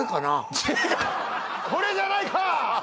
これじゃないか！